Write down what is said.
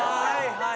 はい。